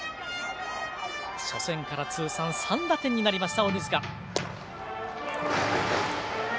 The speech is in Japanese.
初戦から通算３打点になりました、鬼塚。